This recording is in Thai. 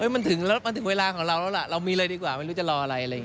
เฮ่ยมันถึงเวลาของเราแล้วล่ะเรามีเลยดีกว่าไม่รู้จะรออะไร